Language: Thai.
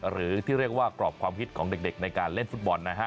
หรือที่เรียกว่ากรอบความฮิตของเด็กในการเล่นฟุตบอลนะฮะ